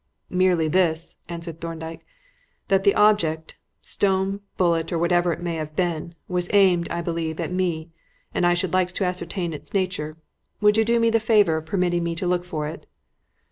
"Merely this," answered Thorndyke, "that the object stone, bullet or whatever it may have been was aimed, I believe, at me, and I should like to ascertain its nature. Would you do me the favour of permitting me to look for it?"